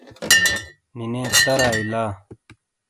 نینے ترائیی لا ۔